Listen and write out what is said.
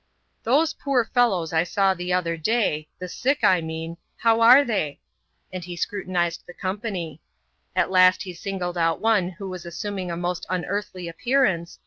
*' Those poor fellows I saw the other day — the sick, I mean — how are they ?" and he scrutinised the company. At last, he singled out one who was assuming a most unearthly appearance!